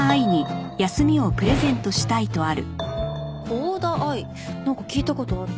「幸田愛」なんか聞いた事ある。